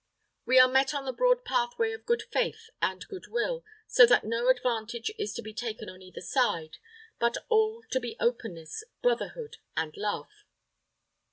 "We are met on the broad pathway of good faith and good will, so that no advantage is to be taken on either side, but all to be openness, brotherhood, and love."